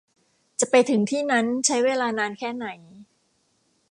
จะไปถึงที่นั้นใช้เวลานานแค่ไหน